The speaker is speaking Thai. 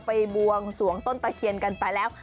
บวงสวงต้นตะเคียนกันไปแล้ว